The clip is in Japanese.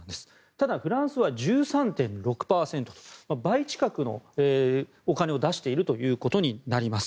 ただ、フランスは１３．６％と倍近くのお金を出しているということになります。